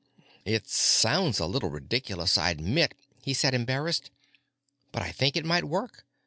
"It sounds a little ridiculous, I admit," he said, embarrassed. "But I think it might work.